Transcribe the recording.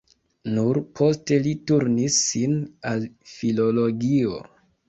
Nur poste li turnis sin al filologio.